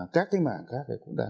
cảm ơn chúa